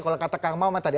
kalau kata kang muhammad tadi